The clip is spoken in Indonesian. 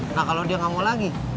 nah kalau dia nggak mau lagi